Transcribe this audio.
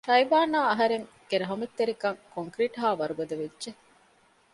ޝައިބާން އާ އަހަރެން ގެ ރަހުމަތް ތެރިކަން ކޮންކްރިޓް ހާ ވަރުގަދަ ވެއްޖެ